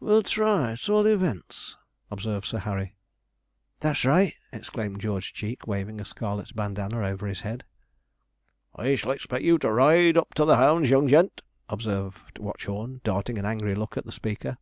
'We'll try, at all events,' observed Sir Harry. 'That's right,' exclaimed George Cheek, waving a scarlet bandana over his head. 'I shall expect you to ride up to the 'ounds, young gent,' observed Watchorn, darting an angry look at the speaker.